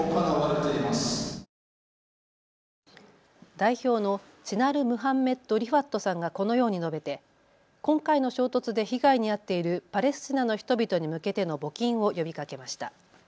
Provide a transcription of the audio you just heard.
代表のチナルムハンメット・リファットさんがこのように述べて今回の衝突で被害に遭っているパレスチナの人々に向けての募金を呼びかけました。